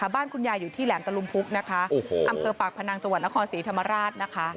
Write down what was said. บ้านคุณยายอยู่ที่แหลมตะลุมพุกนะคะอำเภอปากพนังจังหวัดนครศรีธรรมราชนะคะ